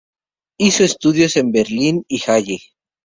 Hizo estudios en Berlín y Halle.